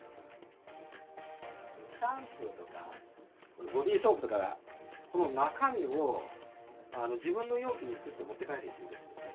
シャンプーとか、ボディーソープとか、この中身を、自分の容器に移して持って帰る人がいるんですよね。